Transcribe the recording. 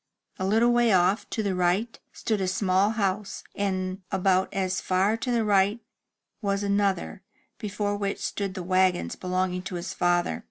A little way oif , to the right, stood a small house, and about as far to the right was another, before which stood the wagons belonging to his father.